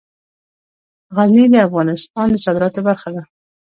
غزني د افغانستان د صادراتو برخه ده.